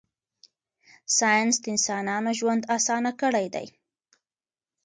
ساینس د انسانانو ژوند اسانه کړی دی.